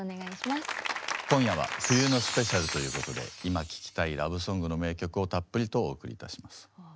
今夜は「冬のスペシャル」ということで今聴きたい「ラブソング」の名曲をたっぷりとお送りいたします。